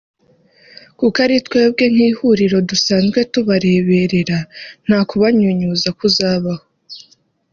kuko ari twebwe nk’ihuriro dusanzwe tubareberera nta kubanyunyuza kuzabaho